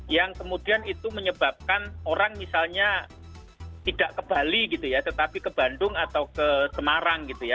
yang kemudian itu menyebabkan orang misalnya tidak ke bali gitu ya tetapi ke bandung atau ke semarang gitu ya